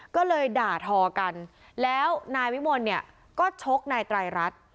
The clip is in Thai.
ก็เลยด่าทอกันแล้วนายวิมลเนี่ยก็ชกนายไตรรัฐ